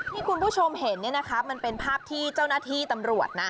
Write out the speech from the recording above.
ที่คุณผู้ชมเห็นเนี่ยนะคะมันเป็นภาพที่เจ้าหน้าที่ตำรวจนะ